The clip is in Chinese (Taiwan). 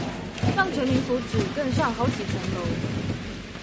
讓全民福祉更上好幾層樓